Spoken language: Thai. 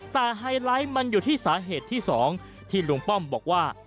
แต่ไฮไลท์มันอยู่ที่สาเหตุที่๒ที่ลุงป้อมบอกว่า